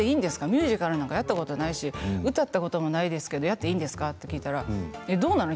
ミュージカルなんてやったことないし歌ったこともないですけどいいんですかと聞いたらどうなの？